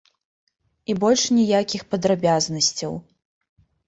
І больш ніякіх падрабязнасцяў.